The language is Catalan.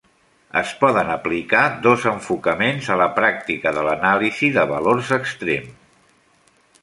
Es poden aplicar dos enfocaments a la pràctica de l'anàlisi de valors extrem.